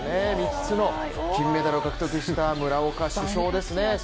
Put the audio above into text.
３つの金メダルを獲得した村岡主将ですね。